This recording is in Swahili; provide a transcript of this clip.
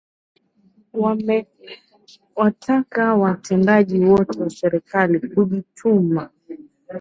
Wamewataka watendaji wote wa serikali kujituma